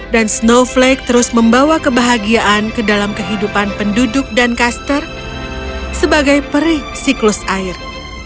dan snowflake terus membawa kebahagiaan ke dalam kehidupan penduduk dan caster sebagai perisiklus air